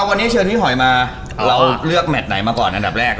วันนี้เชิญพี่หอยมาเราเลือกแมทไหนมาก่อนอันดับแรก